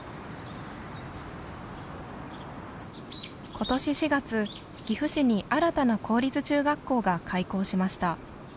今年４月岐阜市に新たな公立中学校が開校しました。